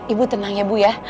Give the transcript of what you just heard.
ibu tenang ya bu ya